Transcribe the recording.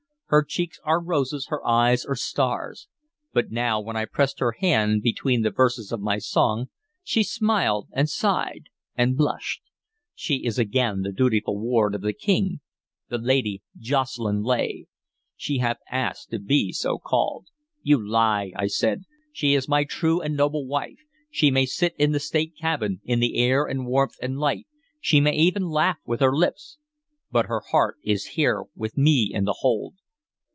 Her cheeks are roses, her eyes are stars. But now, when I pressed her hand between the verses of my song, she smiled and sighed and blushed. She is again the dutiful ward of the King, the Lady Jocelyn Leigh she hath asked to be so called" "You lie," I said. "She is my true and noble wife. She may sit in the state cabin, in the air and warmth and light, she may even laugh with her lips, but her heart is here with me in the hold."